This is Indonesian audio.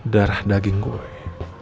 darah daging gue